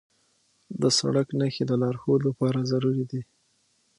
د سړک نښې د لارښود لپاره ضروري دي.